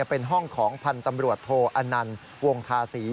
เป็นห้องของพันธ์ตำรวจโทอนันต์วงทาศี